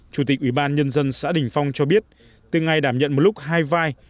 chủ tịch ủy ban nhân dân xã đình phong cho biết từ ngày đảm nhận một lúc hai vai